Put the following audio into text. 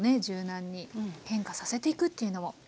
柔軟に変化させていくっていうのも。